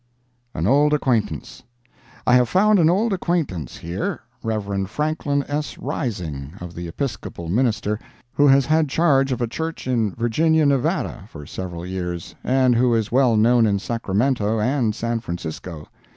AN OLD ACQUAINTANCE I have found an old acquaintance here—Rev. Franklin S. Rising, of the Episcopal minister, who has had charge of a church in Virginia, Nevada, for several years, and who is well known in Sacramento and San Francisco.